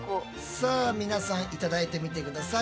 さあ皆さんいただいてみて下さい。